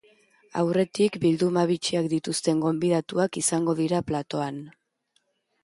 Aurretik, bilduma bitxiak dituzten gonbidatuak izango dira platoan.